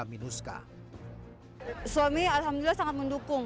suami alhamdulillah sangat mendukung